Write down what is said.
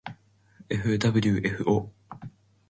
ｆｗｆ ぉ